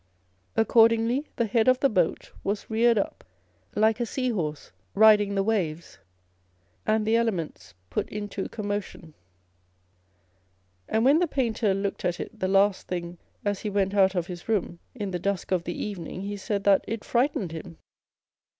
â€" Accordingly, the head of the boat was reared up like a sea horse riding the waves, and the elements put into commotion, and when the painter looked at it the last thing as he went out of his room in the dusk of the even ing, he said that " it frightened him."